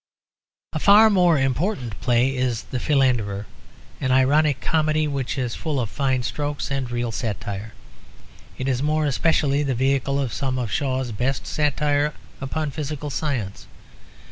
A far more important play is The Philanderer, an ironic comedy which is full of fine strokes and real satire; it is more especially the vehicle of some of Shaw's best satire upon physical science.